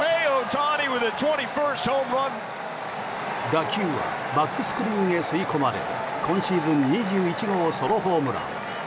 打球はバックスクリーンへ吸い込まれる今シーズン２１号ソロホームラン。